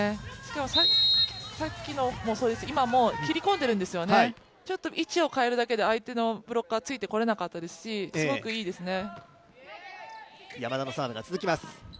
さっきのもそうですが、今も切り込んでいるんですよね、ちょっと位置を変えるだけで相手のブロッカーはついてこられなかったですし、すごくいいですね